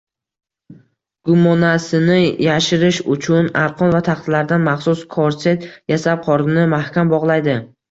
Gumonasini yashirish uchun arqon va taxtalardan maxsus korset yasab, qornini mahkam bog`laydi